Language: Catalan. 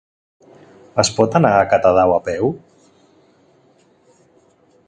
Es pot anar a Catadau a peu?